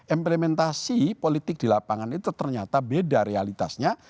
implementasi politik di lapangan itu ternyata beda realitasnya